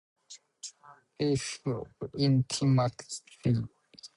Spaces of Intimacy.